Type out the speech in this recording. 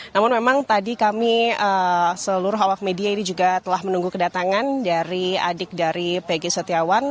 namun memang tadi kami seluruh awak media ini juga telah menunggu kedatangan dari adik dari pg setiawan